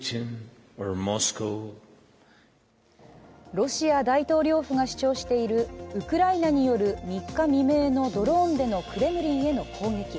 ロシア大統領府が主張しているウクライナによる３日未明のドローンでのクレムリンへの攻撃